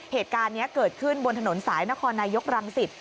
เหตุการณ์นี้เกิดขึ้นบนถนนสายนครนายกรังสิต